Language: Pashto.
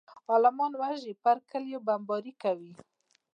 عالمان وژني پر کليو بمبارۍ کوي.